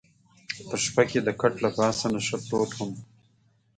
په شپه کې د کټ له پاسه نشه پروت وم.